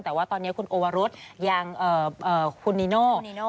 แต่ว่าตอนนี้คุณโอวรุษอย่างคุณนีโน่